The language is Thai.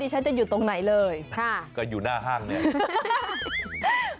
ฉันจะอยู่ตรงไหนเลยค่ะก็อยู่หน้าห้างเนี่ย